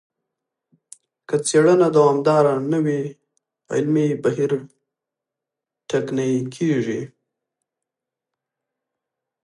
که څېړنه دوامداره نه وي علمي بهیر ټکنی کیږي.